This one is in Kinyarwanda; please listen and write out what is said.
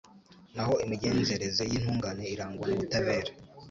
naho imigenzereze y’intungane irangwa n’ubutabera